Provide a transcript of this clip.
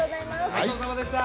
ごちそうさまでした。